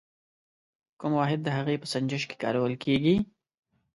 کوم واحد د هغې په سنجش کې کارول کیږي؟